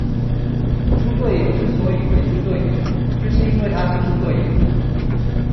豬隊友之所以為豬隊友，就是因為他是豬隊友